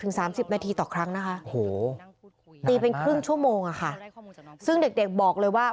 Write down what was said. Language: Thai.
สามสิบนาทีต่อครั้งนะคะตีเป็นครึ่งชั่วโมงอะค่ะซึ่งเด็กบอกเลยว่า